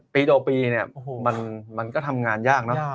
ปีต่อปีเนี่ยมันก็ทำงานยากเนอะ